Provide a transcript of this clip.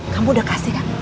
kamu udah kasih kan